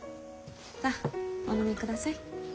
さあお飲みください。